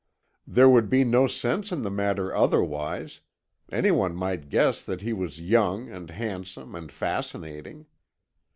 "There would be no sense in the matter otherwise; anyone might guess that he was young and handsome and fascinating.